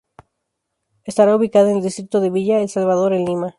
Estará ubicada en el distrito de Villa El Salvador, en Lima.